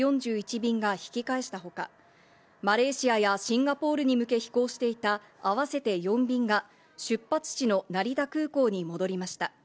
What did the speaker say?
便が引き返したほか、マレーシアやシンガポールに向け飛行していた、あわせて４便が出発地の成田空港に戻りました。